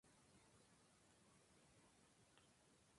En su día formaba la cúspide una cruz de hierro hoy desaparecida.